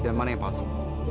dan mana yang palsu